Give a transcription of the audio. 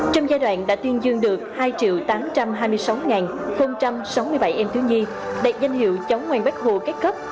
trong giai đoạn đã tuyên dương được hai tám trăm hai mươi sáu sáu mươi bảy em thiếu nhi đạt danh hiệu chống ngoan bách hồ các cấp